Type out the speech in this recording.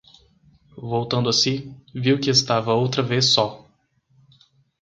Voltando a si, viu que estava outra vez só.